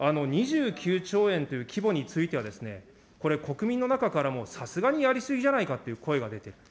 ２９兆円っていう規模については、これ、国民の中からもさすがにやり過ぎじゃないかという声が出ている。